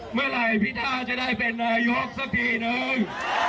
เมื่อไหร่พิธาจะได้เป็นนายกสักทีนึง